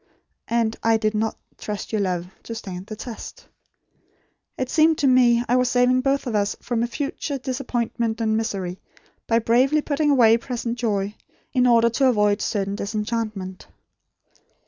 And I DID NOT TRUST YOUR LOVE TO STAND THE TEST. It seemed to me, I was saving both of us from future disappointment and misery, by bravely putting away present joy, in order to avoid certain disenchantment.